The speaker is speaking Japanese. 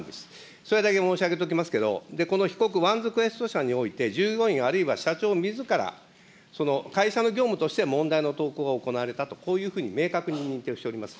それだけ申し上げておきますけれども、この被告、ワンズクエスト社において、従業員、あるいは社長みずから会社の業務として問題の投稿が行われたと、こういうふうに明確に認定をしております。